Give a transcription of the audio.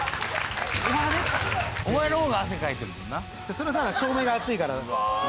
それはだから照明が熱いから。